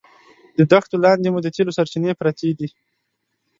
د دښتو لاندې مو د تېلو سرچینې پرتې دي.